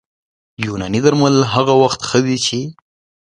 یوناني درمل هغه وخت ښه دي چې